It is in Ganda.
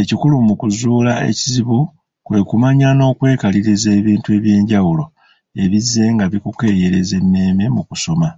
Ekikulu mu kuzuula ekizibu kwe kumanya n’okwekaliriza ebintu eby’enjawulo ebizzenga bikukeeyereza emmeeme mu kusoma.